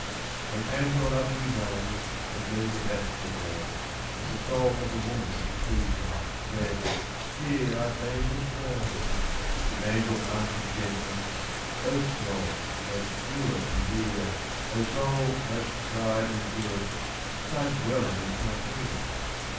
They came to a lovely valley, Agleam with asphodel, And the soul of the woman speaking, Said, "Here I fain would dwell!" The angel answered gently: "O Soul, most pure and dear, O Soul, most tried and truest, Thy dwelling is not here!